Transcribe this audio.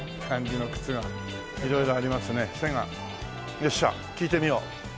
よっしゃ聞いてみよう。